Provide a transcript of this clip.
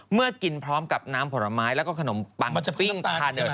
เมื่อกินพร้อมกับน้ำผลไม้แล้วก็ขนมปังปิ้งตาหนึ่ง